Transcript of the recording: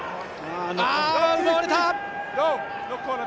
奪われた！